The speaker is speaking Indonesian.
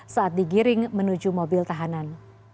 saat digiring menuju mobil tahanan